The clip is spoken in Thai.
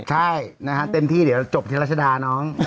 ใช่นะฮะเต็มที่เดี๋ยวจบที่รัชดาน้อง